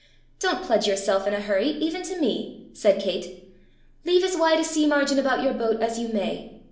Don't pledge yourself in a hurry even to me!" said Kate. "Leave as wide a sea margin about your boat as you may.